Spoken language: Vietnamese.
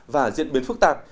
và diễn biến phức tạp